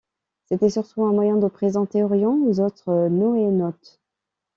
C’était surtout un moyen de présenter Orion aux autres NoéNautes.